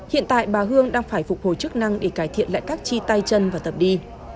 hiện tại bà hương đang phải phục hồi chức năng để cải thiện lại các chi tay chân và tập đi